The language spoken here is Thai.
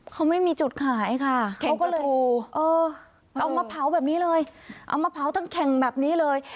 เขาไม่มีจุดขายค่ะเขาก็เลยเออเอามาเผาแบบนี้เลยเอามาเผาทั้งแข่งแบบนี้เลย